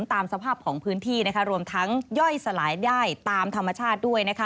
ตามสภาพของพื้นที่รวมทั้งย่อยสลายได้ตามธรรมชาติด้วย